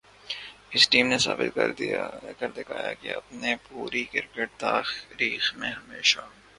اس team نے ثابت کر دکھایا کہ اپنی پوری کرکٹ تاریخ میں ہمیشہ